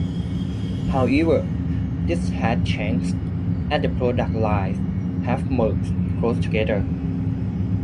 However, this has changed as the product lines have merged closer together.